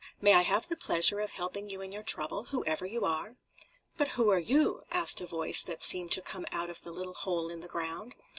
May I have the pleasure of helping you in your trouble, whoever you are?" "But who are you?" asked a voice that seemed to come out of the little hole in the ground.